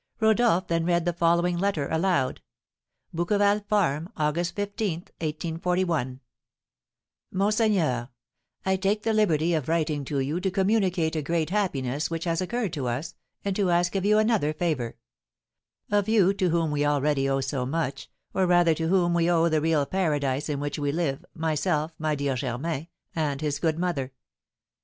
Rodolph then read the following letter aloud: "BOUQUEVAL FARM, August 15, 1841. "Monseigneur: I take the liberty of writing to you to communicate a great happiness which has occurred to us, and to ask of you another favour, of you, to whom we already owe so much, or rather to whom we owe the real paradise in which we live, myself, my dear Germain, and his good mother.